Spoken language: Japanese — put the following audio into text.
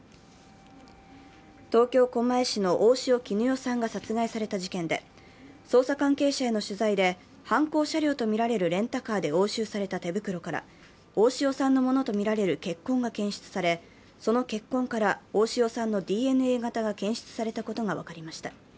東京・狛江市の大塩衣与さんが殺害された事件で、捜査関係者への取材で犯行車両とみられるレンタカーから押収された手袋から大塩さんのものとみられる血痕が検出され、その血痕から大塩さんのＤＮＡ型が検出されたことが分かりました。